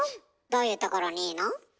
どういうところにいいの？